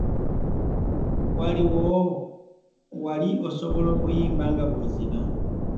Wali osobola okuyimba nga bw'ozina?